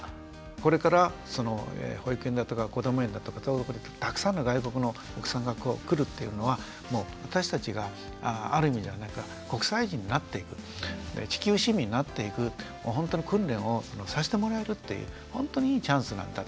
これから保育園だとかこども園だとかたくさんの外国のお子さんが来るっていうのは私たちがある意味では国際人になっていく地球市民になっていくほんとの訓練をさしてもらえるっていうほんとにいいチャンスなんだっていうね